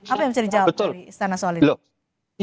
apa yang mencari jawab dari istana soal ini